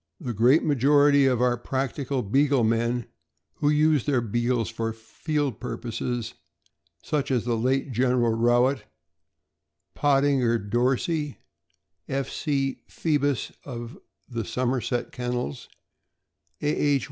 The great majority of our practical Beagle men, who use their Beagles for field pur poses, such as the late General Rowett, Pottinger Dorsey, F. C. Phoebus, of the Somerset Kennels, A. H.